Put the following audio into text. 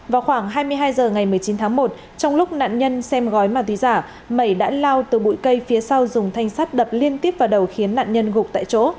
vào khoảng hai mươi hai h ngày một mươi chín tháng một trong lúc nạn nhân xem gói ma túy giả mẩy đã lao từ bụi cây phía sau dùng thanh sắt đập liên tiếp vào đầu khiến nạn nhân gục tại chỗ